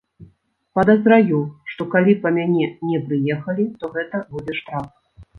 Падазраю, што калі па мяне не прыехалі, то гэта будзе штраф.